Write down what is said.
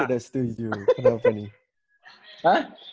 oh tidak setuju kenapa nih